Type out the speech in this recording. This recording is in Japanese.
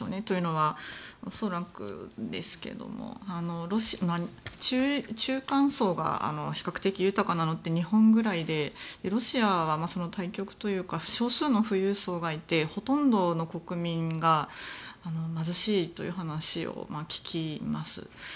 というのは、恐らくですけども中間層が比較的豊かなのって日本ぐらいでロシアはその対極というか少数の富裕層がいてほとんどの国民が貧しいという話を聞きます。